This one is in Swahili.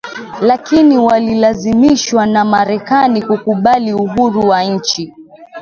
lakini walilazimishwa na Marekani kukubali uhuru wa nchi